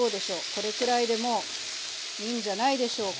これくらいでもういいんじゃないでしょうか。